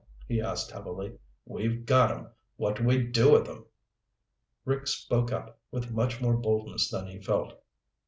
he asked heavily. "We've got 'em. What do we do with 'em?" Rick spoke up with much more boldness than he felt.